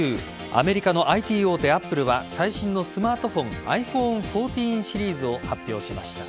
アメリカのＩＴ大手Ａｐｐｌｅは最新のスマートフォンｉＰｈｏｎｅ１４シリーズを発表しました。